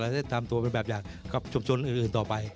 ได้ทำตัวเป็นแบบอย่างกับชุมชนอื่นต่อไป